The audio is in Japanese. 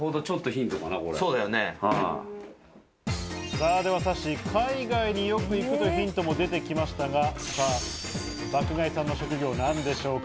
それではさっしー、海外に行くというヒントも出ましたが、爆買いさんの職業なんでしょうか？